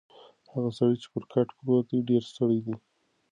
هغه سړی چې پر کټ پروت دی ډېر ستړی دی.